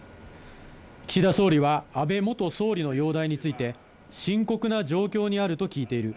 岸田総理は、安倍元総理の容体について、深刻な状況にあると聞いている。